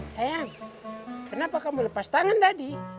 sayang kenapa kamu lepas tangan tadi